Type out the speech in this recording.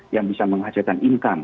yang bisa menghasilkan income